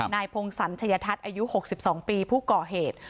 นายพงศรชัยทัศน์อายุ๖๒ปีผู้ก่อเหตุ